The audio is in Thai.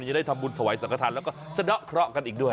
มันจะได้ทำบุญถวายสังคษัตริย์และก็สะด๊อกเคราะห์กันอีกด้วย